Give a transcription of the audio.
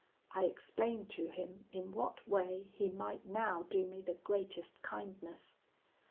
I explained to him in what way he might now do me the greatest kindness.